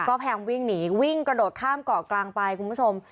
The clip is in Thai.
ก็พยายามวิ่งหนีวิ่งกระโดดข้ามเกาะกลางไปคุณผู้ชม